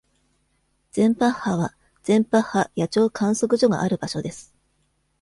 ゼンパッハはゼンパッハ野鳥観測所がある場所です。